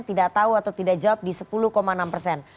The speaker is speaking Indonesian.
tidak tahu atau tidak jawab di sepuluh enam persen